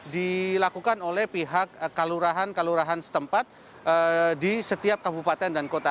dilakukan oleh pihak kalurahan kalurahan setempat di setiap kabupaten dan kota